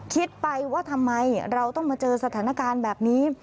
คิดไปว่าทำไมเราต้องมาเจอสถานการณ์แบบนี้